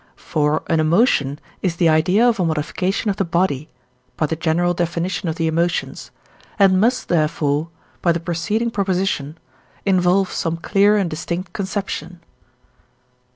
For an emotion is the idea of a modification of the body (by the general Def. of the Emotions), and must therefore (by the preceding Prop.) involve some clear and distinct conception.